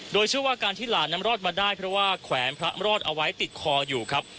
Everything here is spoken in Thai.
โดยเชื่อว่าการที่หลานนั้นรอดมาได้เพราะว่าแขวนพระรอดเอาไว้ติดคออยู่ครับ